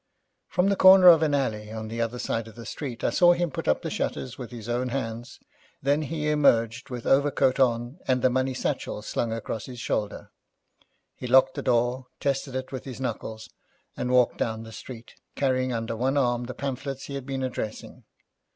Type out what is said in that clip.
From the corner of an alley on the other side of the street I saw him put up the shutters with his own hands, then he emerged with overcoat on, and the money satchel slung across his shoulder. He locked the door, tested it with his knuckles, and walked down the street, carrying under one arm the pamphlets he had been addressing.